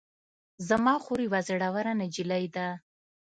زما خور یوه زړوره نجلۍ ده